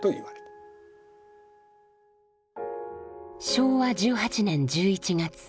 昭和１８年１１月。